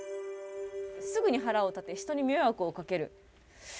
「すぐに腹を立て人に迷惑をかける」。